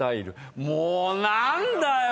もう何だよ！